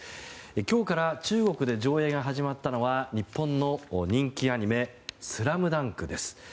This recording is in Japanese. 今日から中国で上映が始まったのは日本の人気アニメ「ＳＬＡＭＤＵＮＫ」です。